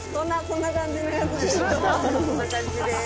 こんな感じです。